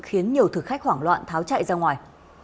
khiến nhiều thực khách hoảng loạn tháo chạy ra ngoài